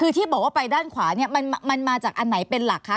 คือที่บอกว่าไปด้านขวาเนี่ยมันมาจากอันไหนเป็นหลักคะ